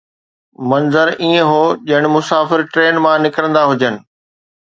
منظر ائين هو ڄڻ مسافر ٽرين مان نڪرندا هجن.